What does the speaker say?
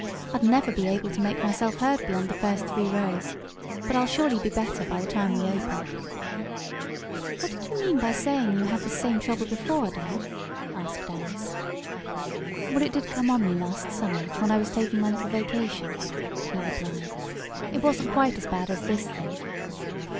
"I'd never be able to make myself heard beyond the first three rows. But I'll surely be better by the time we open." "What did you mean by saying you had this same trouble before, Dad?" asked Alice. "Well, it did come on me last summer, when I was taking my little vacation," he replied. "It wasn't quite as bad as this, though."